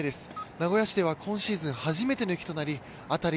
名古屋市では今シーズン初めての雪となり辺り